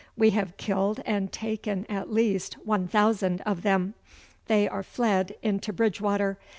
We have killed and taken at least 1000 of them. They are fled into Bridgewater.